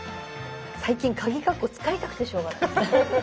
最近カギカッコ使いたくてしょうがない。